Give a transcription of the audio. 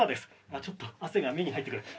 ちょっと汗が目に入ってくる。